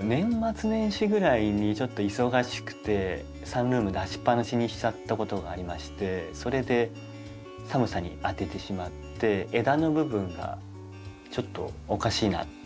年末年始ぐらいにちょっと忙しくてサンルーム出しっぱなしにしちゃったことがありましてそれで寒さに当ててしまって枝の部分がちょっとおかしいなって気が付いて。